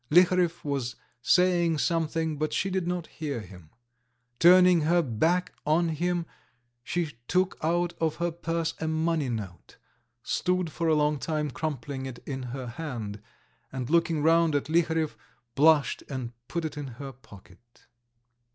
Liharev was saying something, but she did not hear him. Turning her back on him she took out of her purse a money note, stood for a long time crumpling it in her hand, and looking round at Liharev, blushed and put it in her pocket.